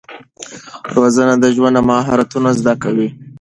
روزنه د ژوند مهارتونه زده کوي.